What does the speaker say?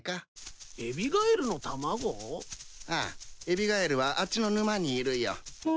エビガエルはあっちの沼にいるよ。